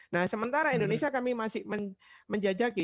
nah sementara indonesia kami masih menjajaki